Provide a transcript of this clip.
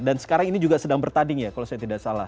dan sekarang ini juga sedang bertanding ya kalau saya tidak salah